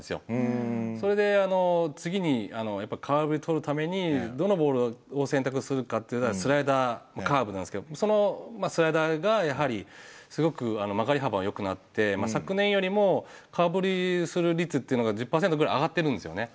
それであの次に空振り取るためにどのボールを選択するかっていわれたらスライダーカーブなんですけどもそのスライダーがやはりすごく曲がり幅がよくなって昨年よりも空振りする率っていうのが１０％ぐらい上がってるんですよね。